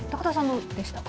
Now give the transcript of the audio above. どうでしたか？